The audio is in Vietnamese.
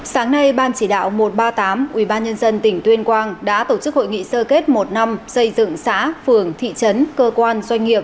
sáng nay ban chỉ đạo một trăm ba mươi tám ubnd tỉnh tuyên quang đã tổ chức hội nghị sơ kết một năm xây dựng xã phường thị trấn cơ quan doanh nghiệp